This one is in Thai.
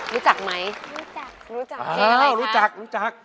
รู้จักไหมอ้าวรู้จัก